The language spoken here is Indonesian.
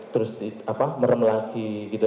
terus merem lagi